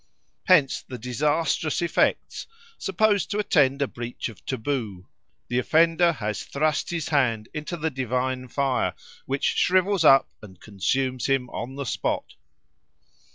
Hence the disastrous effects supposed to attend a breach of taboo; the offender has thrust his hand into the divine fire, which shrivels up and consumes him on the spot.